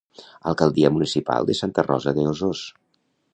Alcaldia Municipal de Santa Rosa de Osos.